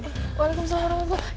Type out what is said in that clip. waalaikumsalam warahmatullahi wabarakatuh